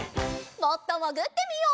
もっともぐってみよう。